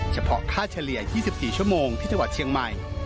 เฉพาะค่าเฉลี่ย๒๔ชั่วโมงที่จังหวัดเชียงใหม่